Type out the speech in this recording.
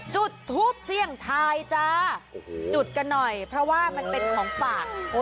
จุดทูปเสี่ยงทายจ้าจุดกันหน่อยเพราะว่ามันเป็นของฝาก